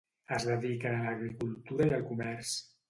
Es dediquen a l'agricultura i el comerç.